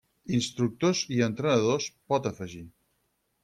Instructors i entrenadors pot afegir.